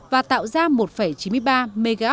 và tạo ra một chín mươi ba mhz